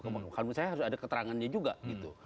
kalau menurut saya harus ada keterangannya juga gitu